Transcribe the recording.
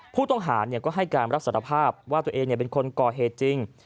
ผู้ต้องหาก็ให้การรับสารภาพว่าตัวเองเป็นคนก่อเหตุจริง